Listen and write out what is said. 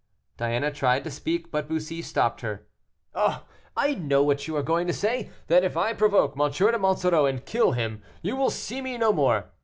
Diana tried to speak, but Bussy stopped her. "Oh! I know what you are going to say; that if I provoke M. de Monsoreau and kill him, you will see me no more.